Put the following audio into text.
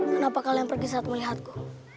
kenapa kalian pergi saat melihatku